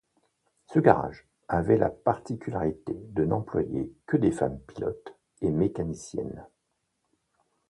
Ce garage avait la particularité de n’employer que des femmes pilotes et mécaniciennes.